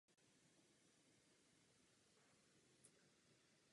Všichni primáti mají složité vzory komunikaci.